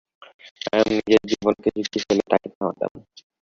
আমি নিজের জীবনকে ঝুঁকিতে ফেলে তাকে থামাতাম।